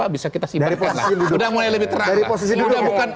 bisa kita simak sudah mulai lebih terang